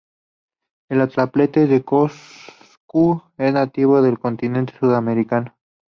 El atlapetes de Cuzco es nativo del continente sudamericano.